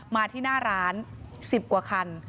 มาที่หน้าร้าน๑๐กว่าคัน